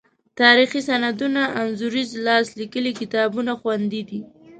تاریخي سندونه، انځوریز لاس لیکلي کتابونه خوندي دي.